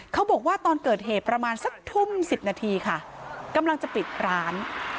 เขาบอกว่าตอนเกิดเหตุประมาณสักทุ่ม๑๐นาทีค่ะกำลังจะปิดร้าน